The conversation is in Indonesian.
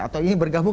atau ini bergabung